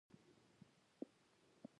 مېرمن نېکبخته د شېخ لور وه.